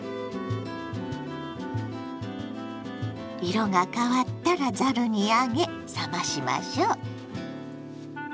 色が変わったらざるに上げ冷ましましょう。